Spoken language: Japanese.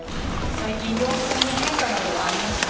最近、様子に変化などはありましたか。